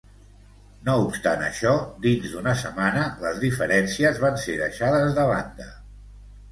No obstant això, dins d'una setmana les diferències van ser deixades de banda.